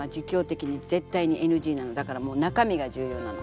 だからもう中身が重要なの。